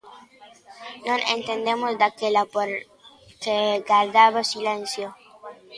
Non entendemos daquela por que gardaba silencio.